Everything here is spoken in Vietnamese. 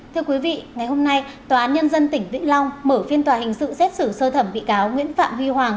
thưa quý vị ngày hôm nay tòa án nhân dân tỉnh vĩnh long mở phiên tòa hình sự xét xử sơ thẩm bị cáo nguyễn phạm huy hoàng